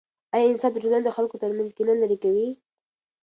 آیا انصاف د ټولنې د خلکو ترمنځ کینه لیرې کوي؟